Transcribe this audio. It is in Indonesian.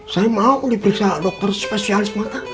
saya mau diperiksa dokter spesialis mata